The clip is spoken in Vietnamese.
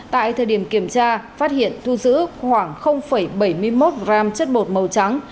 tại thời điểm kiểm tra phát hiện thu giữ khoảng bảy mươi một g chất bột màu trắng